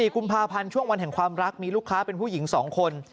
๔กุมภาพันธ์ช่วงวันแห่งความรักมีลูกค้าเป็นผู้หญิง๒คน